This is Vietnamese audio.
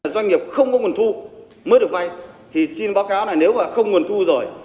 doanh nghiệp không có nguồn thu mới được vay thì xin báo cáo là nếu mà không nguồn thu rồi